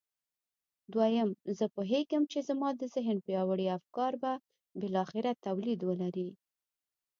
دويم زه پوهېږم چې زما د ذهن پياوړي افکار به بالاخره توليد ولري.